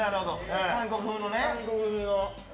韓国風の。